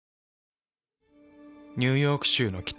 ニューヨーク州の北。